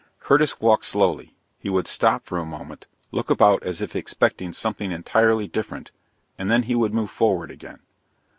Curtis walked slowly. He would stop for a moment, look about as if expecting something entirely different, and then he would move forward again.